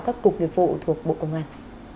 các cục nghiệp vụ thuộc bộ công an